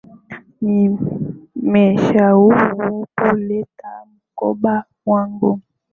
Nimesahau kuleta mkoba wangu.